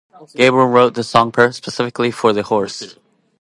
Gabriel wrote the song specifically for the horse.